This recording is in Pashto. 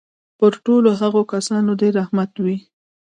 پر ټولو هغو کسانو دي رحمت وي.